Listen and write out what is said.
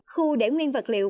khu để nguyên vật liệu